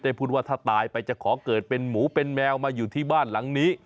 พูดว่าถ้าตายไปจะขอเกิดเป็นหมูเป็นแมวมาอยู่ที่บ้านหลังนี้